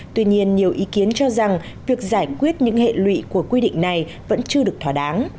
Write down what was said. tuy nhiên nhiều ý kiến cho rằng việc giải quyết những hệ lụy của quy định này vẫn chưa được thỏa đáng